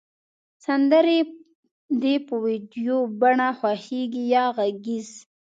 سندری د په ویډیو بڼه خوښیږی یا غږیز